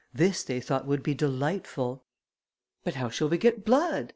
This they thought would be delightful. "But how shall we get blood?"